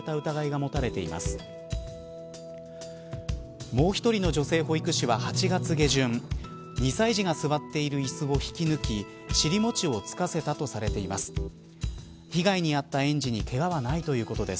もう１人の女性保育士は８月下旬２歳児が座っているいすを引き抜き尻もちをつかせたとされています。